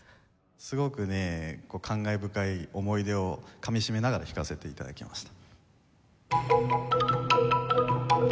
すごくね感慨深い思い出をかみしめながら弾かせて頂きました。